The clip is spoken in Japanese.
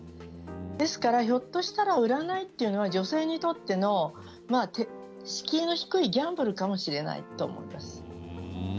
ですから、ひょっとしたら占いというのは女性にとっての敷居の低いギャンブルかもしれないと思います。